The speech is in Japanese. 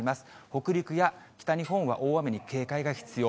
北陸や北日本は大雨に警戒が必要。